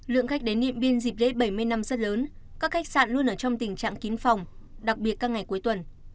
lượng khách đến điện biên dịp lễ bảy mươi năm rất lớn các khách sạn luôn ở trong tình trạng kín phòng đặc biệt các ngày cuối tuần